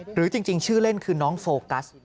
หรือจริงชื่อเล่นคือน้องโฟกัส